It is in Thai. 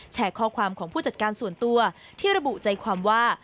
ข้อความของผู้จัดการส่วนตัวที่ระบุใจความว่า